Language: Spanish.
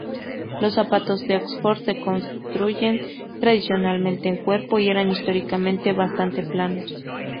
Los zapatos de Oxford se construyen tradicionalmente en cuero y eran históricamente bastante planos.